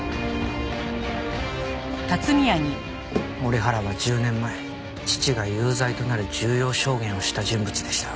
折原は１０年前父が有罪となる重要証言をした人物でした。